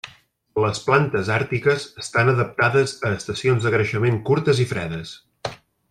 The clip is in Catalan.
Les plantes àrtiques estan adaptades a estacions de creixement curtes i fredes.